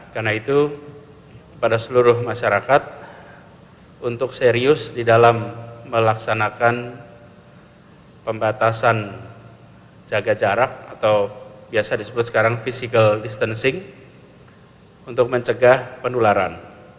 karena itu pada seluruh masyarakat untuk serius di dalam melaksanakan pembatasan jaga jarak atau biasa disebut sekarang physical distancing untuk mencegah pendularan